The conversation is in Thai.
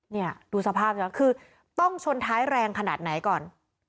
เนี่ยดูสภาพสิคะคือต้องชนท้ายแรงขนาดไหนก่อน